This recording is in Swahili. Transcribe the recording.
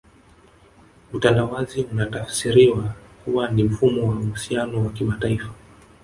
Utandawazi unatafsiriwa kuwa ni mfumo wa uhusiano wa kimataifa